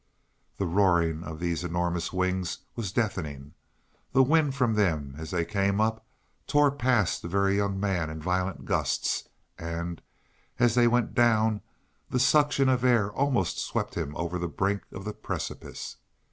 The roaring of these enormous wings was deafening; the wind from them as they came up tore past the Very Young Man in violent gusts; and as they went down, the suction of air almost swept him over the brink of the precipice.